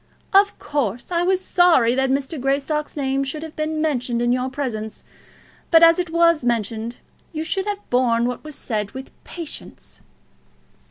Of course, I was sorry that Mr. Greystock's name should have been mentioned in your presence; but as it was mentioned, you should have borne what was said with patience."